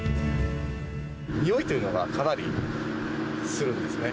臭いというのがかなりするんですね。